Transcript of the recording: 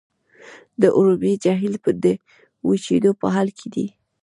د ارومیې جهیل د وچیدو په حال کې دی.